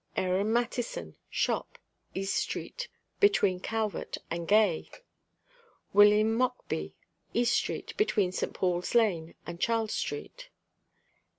AARON MATTISON, Shop, East street, between Calvert and Gay. WILLIAM MOCKBEE, East street, between St. Paul's lane and Charles street.